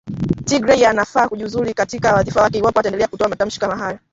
Tigray anafaa kujiuzulu katika wadhifa wake iwapo ataendelea kutoa matamshi kama hayo